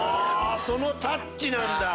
その「タッチ」なんだ。